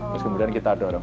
terus kemudian kita dorong